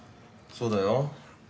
そうだよ。